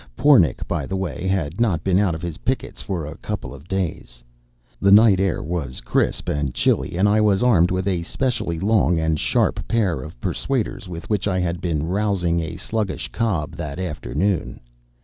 Pornic, by the way, had not been out of his pickets for a couple of days; the night air was crisp and chilly; and I was armed with a specially long and sharp pair of persuaders with which I had been rousing a sluggish cob that afternoon.